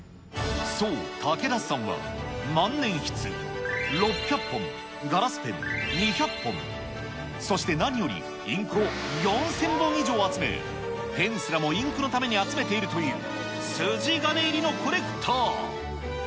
そう、武田さんは万年筆６００本、ガラスペン２００本、そして何よりインクを４０００本以上集め、ペンすらもインクのために集めているという、筋金入りのコレクター。